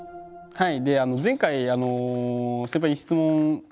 はい。